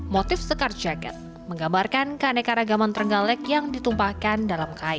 motif sekar jagad menggambarkan keanekaragaman trenggalek yang ditumpahkan dalam kain